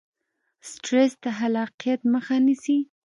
سټرس د خلاقیت مخه نیسي.